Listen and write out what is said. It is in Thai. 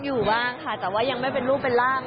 ทุกข่าวอย่างนี้ไม่มีมั้ง